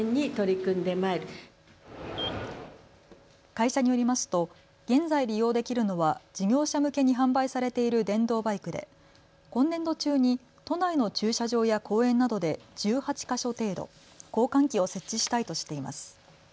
会社によりますと現在利用できるのは事業者向けに販売されている電動バイクで今年度中に都内の駐車場や公園などで１８か所程度、交換機を設置したいとしています。